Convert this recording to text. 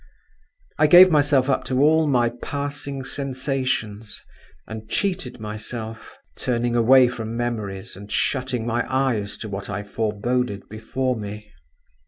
I gave myself up to all my passing sensations, and cheated myself, turning away from memories, and shutting my eyes to what I foreboded before me….